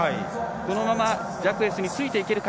このままジャクエスについていけるか。